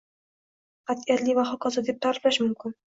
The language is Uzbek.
Qat’iyatli va hokazo… deb ta’riflash mumkin